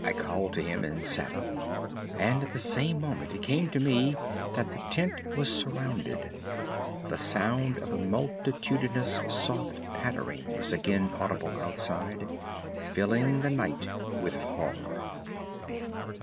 I called to him and sat up, and at the same moment it came to me that the tent was surrounded. That sound of multitudinous soft pattering was again audible outside, filling the night with horror.